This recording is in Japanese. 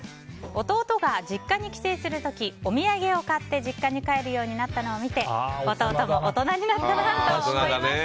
弟が実家に帰省する時お土産を買って実家に帰るようになったのを見て弟も大人になったなと思いました。